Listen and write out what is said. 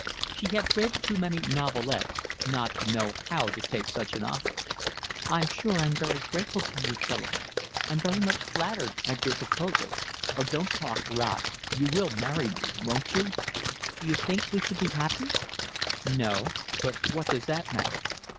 She had read too many novelettes not to know how to take such an offer. "I'm sure I'm very grateful to you, Philip. I'm very much flattered at your proposal." "Oh, don't talk rot. You will marry me, won't you?" "D'you think we should be happy?" "No. But what does that matter?"